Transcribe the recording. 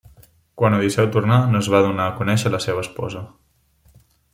Quan Odisseu tornà, no es va donar a conèixer a la seva esposa.